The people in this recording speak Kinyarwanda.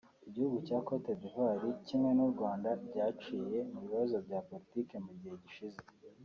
Igihugu cya Côte d’Ivoire kimwe n’u Rwanda byaciye mu bibazo bya Politiki mu gihe gishize